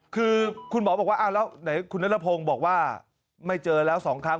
คือคุณหมอบอกว่าแล้วไหนคุณนัทพงศ์บอกว่าไม่เจอแล้ว๒ครั้ง